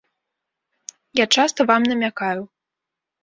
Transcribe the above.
Я часта вам намякаю.